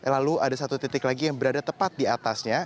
lalu ada satu titik lagi yang berada tepat di atasnya